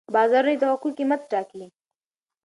بازارونه د توکو قیمت ټاکي.